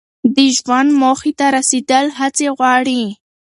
د ژوند موخې ته رسیدل هڅې غواړي.